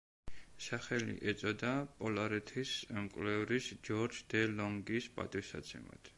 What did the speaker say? სახელი ეწოდა პოლარეთის მკვლევრის ჯორჯ დე ლონგის პატივსაცემად.